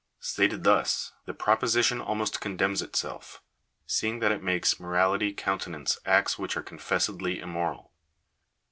Stated thus, the propo sition almost condemns itself; seeing that it makes morality countenance acts which are confessedly immoral.